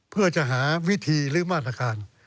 เพื่อจะหาวิธีหรือมาตรการ